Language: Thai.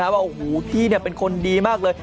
พี่เป็นคนดีมากเลย